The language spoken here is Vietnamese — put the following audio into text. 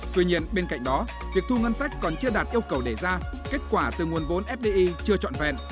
tuy nhiên bên cạnh đó việc thu ngân sách còn chưa đạt yêu cầu đề ra kết quả từ nguồn vốn fdi chưa trọn vẹn